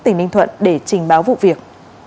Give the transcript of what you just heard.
tỉnh ninh thuận để trình báo vụ việc